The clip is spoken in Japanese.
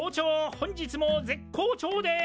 本日も絶好調です！